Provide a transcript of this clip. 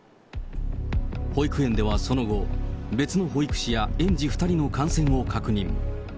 保育園ではその後、別の保育士や園児２人の感染を確認。